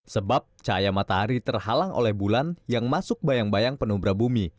sebab cahaya matahari terhalang oleh bulan yang masuk bayang bayang penumbra bumi